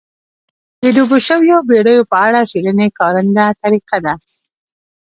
د ډوبو شویو بېړیو په اړه څېړنې کارنده طریقه ده.